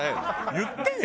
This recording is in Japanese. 言ってね